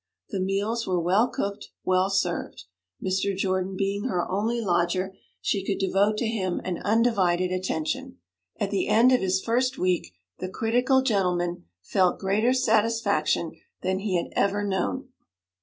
The meals were well cooked, well served. Mr. Jordan being her only lodger, she could devote to him an undivided attention. At the end of his first week the critical gentleman felt greater satisfaction than he had ever known.